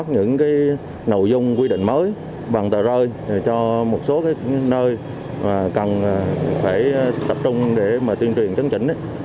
những nội dung quy định mới bằng tờ rơi cho một số nơi mà cần phải tập trung để mà tuyên truyền chấn chỉnh